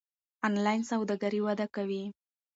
انلاین سوداګري وده کوي.